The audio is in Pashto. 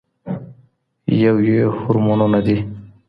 یو یې هورمونونه دي.